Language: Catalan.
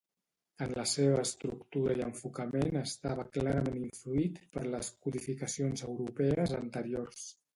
En la seva estructura i enfocament estava clarament influït per les codificacions europees anteriors.